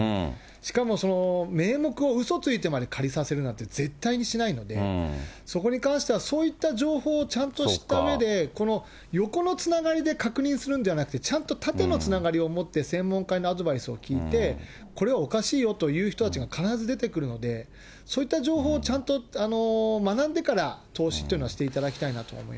しかも、名目をうそついてまで借りさせるなんて絶対にしないので、そこに関してはそういった情報をちゃんと知ったうえで、この横のつながりで確認するんじゃなくて、ちゃんと縦のつながりをもって、専門家にアドバイスを聞いて、これはおかしいよという人たちが必ず出てくるので、そういった情報をちゃんと学んでから、投資というのはしていただきたいなと思います。